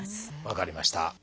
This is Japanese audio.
分かりました。